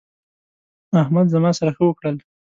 احمد زما سره ښه وکړل.